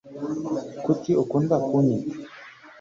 kuki ukunda kunyita